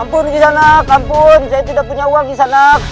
ampun gizanak ampun saya tidak punya uang gizanak